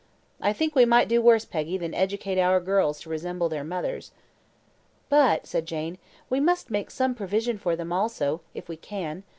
I think we might do worse, Peggy, than educate our girls to resemble their mothers." "But," said Jane, "we must make some provision for them also, if we can.